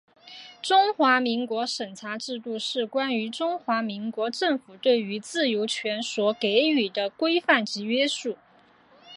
中华民国审查制度是关于中华民国政府对于自由权所给予的规范及约束。